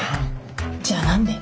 じゃあ何で？